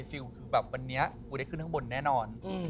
ฟิลคือแบบวันนี้กูได้ขึ้นข้างบนแน่นอน